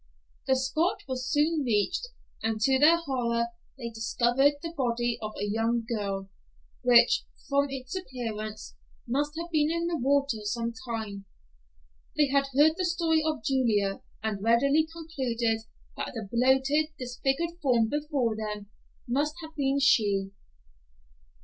The spot was soon reached, and to their horror they discovered the body of a young girl, which, from its appearance, must have been in the water some time. They had heard the story of Julia, and readily concluded that the bloated, disfigured form before them must have been she.